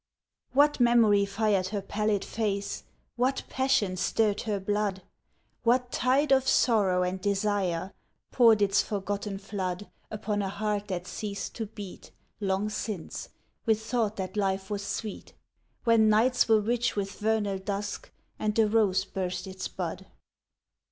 What memory fired her pallid face, What passion stirred her blood, What tide of sorrow and desire Poured its forgotten flood Upon a heart that ceased to beat, Long since, with thought that life was sweet, When nights were rich with vernal dusk, And the rose burst its bud?